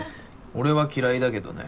俺は嫌いだけどね